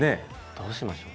どうしましょう。